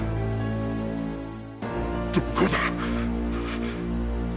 どこだ！？